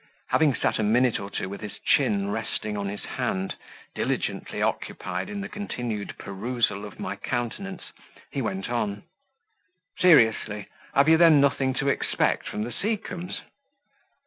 Having sat a minute or two with his chin resting on his hand, diligently occupied in the continued perusal of my countenance, he went on: "Seriously, have you then nothing to expect from the Seacombes?"